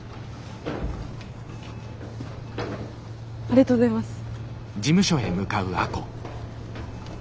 ありがとうございます。